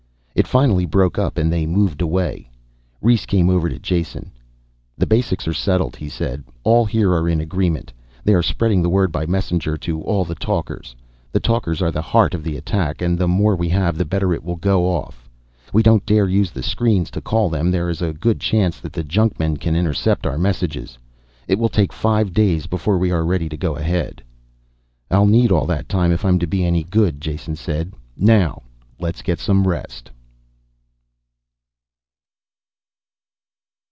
It finally broke up and they moved away. Rhes came over to Jason. "The basics are settled," he said. "All here are in agreement. They are spreading the word by messenger to all the talkers. The talkers are the heart of the attack, and the more we have, the better it will go off. We don't dare use the screens to call them, there is a good chance that the junkmen can intercept our messages. It will take five days before we are ready to go ahead." "I'll need all of that time if I'm to be any good," Jason said. "Now let's get some rest."